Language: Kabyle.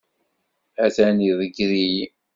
A-t-an iḍegger-iyi.